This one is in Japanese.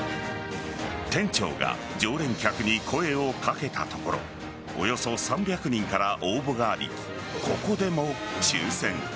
店長が常連客に声を掛けたところおよそ３００人から応募がありここでも抽選。